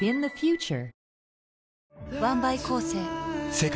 世界